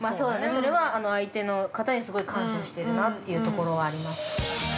それは、相手の方にすごい感謝してるなっていうところはあります。